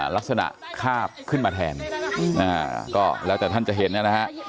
ลักษณะคาบขึ้นมาแทนก็แล้วแต่ท่านจะเห็นนะฮะ